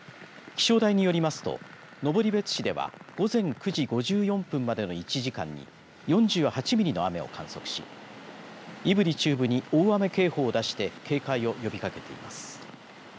気象台によりますと登別市では午前９時５４分までの１時間に４８ミリの雨を観測し胆振中部に大雨警報を出して警戒を呼びかけています。